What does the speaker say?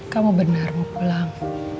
kamu benar mau pulang